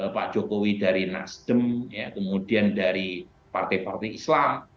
pak jokowi dari nasdem kemudian dari partai partai islam